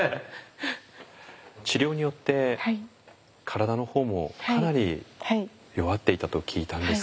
治療によって体の方もかなり弱っていたと聞いたんですけれども。